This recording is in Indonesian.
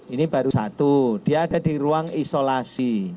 ini baru satu dia ada di ruang isolasi